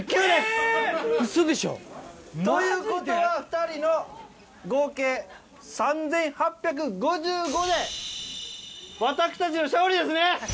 えぇ！ウソでしょ！ということは２人の合計３８５５で私たちの勝利ですね！